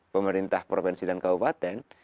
pemerintah provinsi dan kabupaten